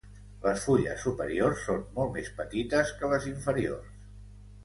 Les fulles superiors són molt més petites que les inferiors.